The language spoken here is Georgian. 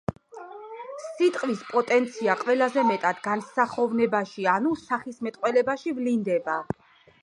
სიტყვის პოტენცია ყველაზე მეტად განსახოვნებაში ანუ სახისმეტყველებაში ვლინდება.